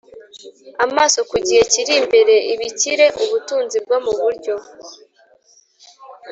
Amaso ku gihe kiri imbere ibikire ubutunzi bwo mu buryo